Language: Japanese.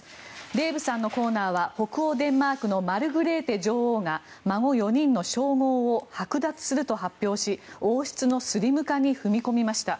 デーブさんのコーナーは北欧デンマークのマルグレーテ女王が孫４人の称号をはく奪すると発表し王室のスリム化に踏み込みました。